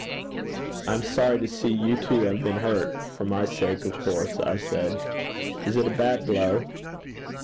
'I am sorry to see you too have been hurt for my sake, of course,' I said. 'Is it a bad blow?'